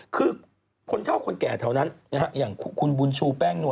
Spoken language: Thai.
คือคนเช่าคนแก่เท่านั้นอย่างคุณบุญชูแป้งนัว